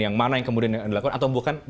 yang mana yang kemudian dilakukan atau bukan